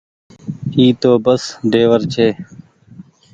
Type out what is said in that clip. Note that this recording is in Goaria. اي تو بس ڍيور ڇي۔